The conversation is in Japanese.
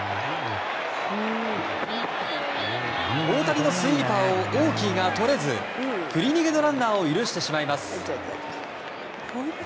大谷のスイーパーをオーキーがとれず振り逃げのランナーを許してしまいます。